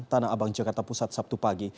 tanah abang jakarta pusat sabtu pagi